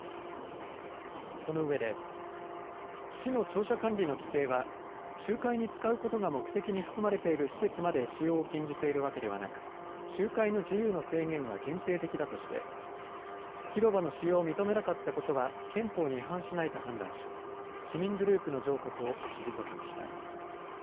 その上で市の庁舎管理の規定は集会に使うことが目的に含まれている施設まで使用を禁じているわけではなく集会の自由の制限は限定的だとして広場の使用を認めなかったことは憲法に違反しないと判断し市民グループの上告を退けました。